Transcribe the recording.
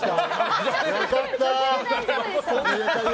良かった。